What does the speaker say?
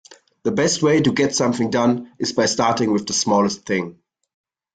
The best way to get something done is by starting with the smallest thing.